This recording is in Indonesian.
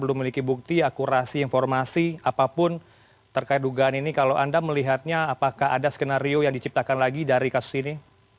belum memiliki bukti akurasi informasi apapun terkait dugaan ini kalau anda melihatnya apakah ada skenario yang diciptakan lagi dari kasus ini